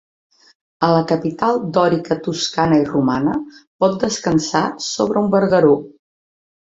A la capital dòrica toscana i romana, pot descansar sobre un vergueró.